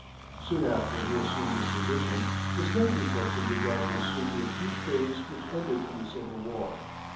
Soon after he assumed this position, the slavery question began to assume the acute phase which ended in the Civil War.